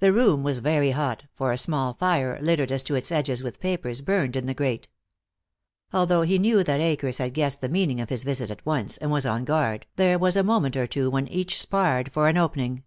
The room was very hot, for a small fire, littered as to its edges with papers, burned in the grate. Although he knew that Akers had guessed the meaning of his visit at once and was on guard, there was a moment or two when each sparred for an opening.